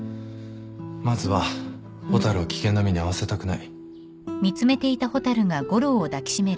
まずは蛍を危険な目に遭わせたくない。